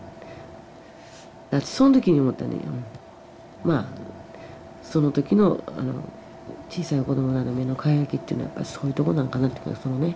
私その時に思ったんだけどまあその時の小さい子どものあの目の輝きっていうのはやっぱそういうとこなんかなってそのね